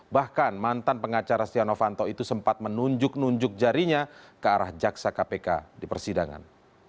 bahkan mantan pengacara stiano fanto itu sempat menunjuk nunjuk jarinya ke arah jaksa kpk di persidangan